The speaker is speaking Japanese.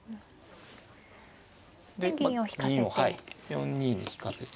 ４二に引かせて。